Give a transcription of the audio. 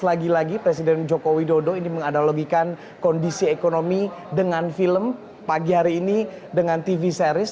lagi lagi presiden joko widodo ini menganalogikan kondisi ekonomi dengan film pagi hari ini dengan tv series